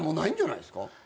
ないですか？